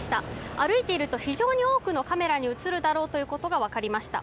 歩いていると非常に多くのカメラに映るだろうということが分かりました。